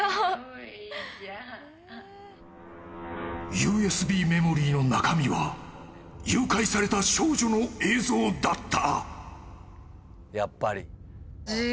［ＵＳＢメモリーの中身は誘拐された少女の映像だった］